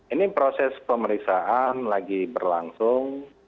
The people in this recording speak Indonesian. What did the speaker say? ini proses pemeriksaan lagi berlangsung